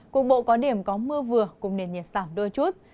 cục bộ có điểm có mưa vừa cùng nền nhiệt giảm đôi chút